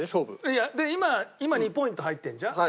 いやで今今２ポイント入ってるじゃん？